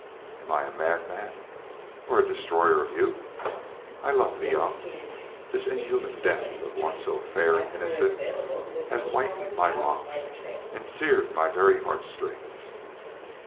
Am I a madman, or a destroyer of youth? I love the young. This inhuman death of one so fair and innocent has whitened my locks and seared my very heart strings.